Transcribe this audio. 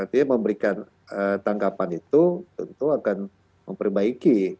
kami juga akan memberikan tanggapan itu tentu akan memperbaiki